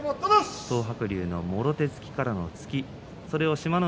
東白龍のもろ手突きからの突きそれを志摩ノ